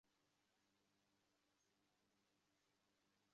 সরকারি হাসপাতালের ডাক্তার সাহেব এক ঘন্টা আগে ময়মনসিং রওনা হয়ে গেছেন।